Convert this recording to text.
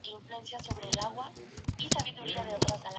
Se combina así formación con entretenimiento.